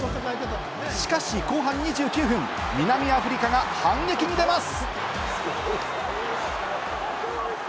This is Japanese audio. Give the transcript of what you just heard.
しかし後半２９分、南アフリカが反撃に出ます。